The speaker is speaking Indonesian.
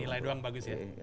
nilai doang bagus ya